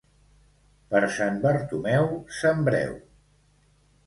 Per Sant Bartomeu, sembreu.